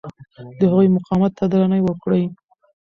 د هغوی مقام ته درناوی وکړئ.